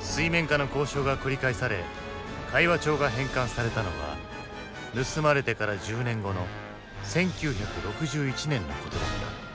水面下の交渉が繰り返され会話帳が返還されたのは盗まれてから１０年後の１９６１年のことだった。